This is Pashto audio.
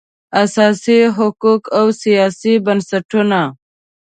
اساسي حقوق او سیاسي بنسټونه